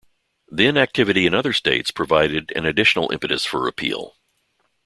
Then activity in other states provided an additional impetus for repeal.